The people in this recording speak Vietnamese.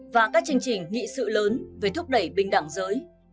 và các chương trình nghị sự lớn về thúc đẩy bình đẳng giới